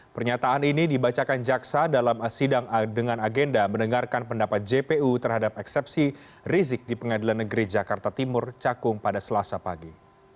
pernyataan ini dibacakan jaksa dalam sidang dengan agenda mendengarkan pendapat jpu terhadap eksepsi rizik di pengadilan negeri jakarta timur cakung pada selasa pagi